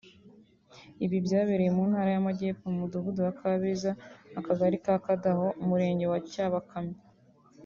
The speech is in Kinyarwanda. Ibi byabereye mu Ntara y’Amajyepfo mu mudugudu wa Kabeza Akagari ka Kadaho Umurenge wa Cyabakamyi